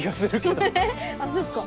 あっそっか。